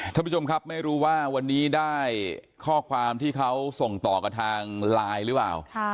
ท่านผู้ชมครับไม่รู้ว่าวันนี้ได้ข้อความที่เขาส่งต่อกับทางไลน์หรือเปล่า